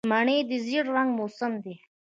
مني د زېړ رنګ موسم دی